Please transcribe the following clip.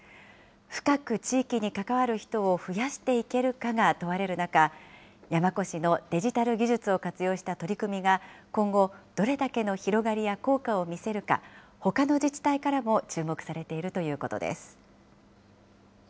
深く地域に関わる人を増やしていけるかが問われる中、山古志のデジタル技術を活用した取り組みが、今後、どれだけの広がりや効果を見せるか、ほかの自治体からも注目されているということです。